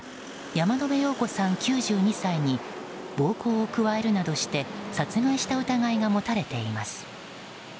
山野辺陽子さん、９２歳に暴行を加えるなどして殺害した疑いが持たれています。